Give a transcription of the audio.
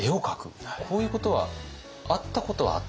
こういうことはあったことはあった？